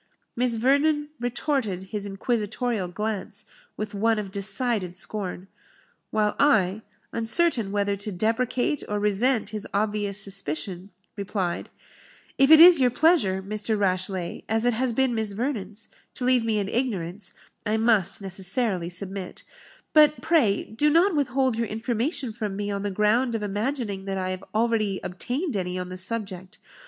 Miss Vernon retorted his inquisitorial glance with one of decided scorn; while I, uncertain whether to deprecate or resent his obvious suspicion, replied, "If it is your pleasure, Mr. Rashleigh, as it has been Miss Vernon's, to leave me in ignorance, I must necessarily submit; but, pray, do not withhold your information from me on the ground of imagining that I have already obtained any on the subject.